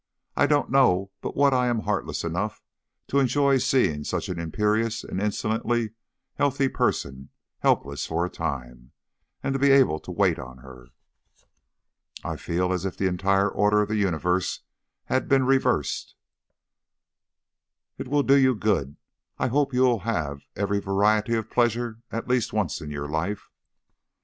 I don't know but what I am heartless enough to enjoy seeing such an imperious and insolently healthy person helpless for a time, and to be able to wait on her." "I feel as if the entire order of the universe had been reversed." "It will do you good. I hope you will have every variety of pleasure at least once in your life."